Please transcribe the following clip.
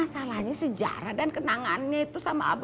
itu sejarah ini masalahnya sejarah dan kenangannya itu sejarah dan kenangannya